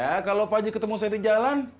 ya kalau pak ji ketemu saya di jalan